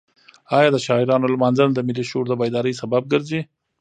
ایا د شاعرانو لمانځنه د ملي شعور د بیدارۍ سبب ګرځي؟